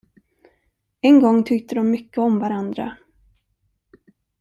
En gång tyckte de mycket om varandra.